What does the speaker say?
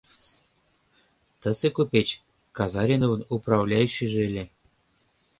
Тысе купеч Казариновын управляющийже ыле.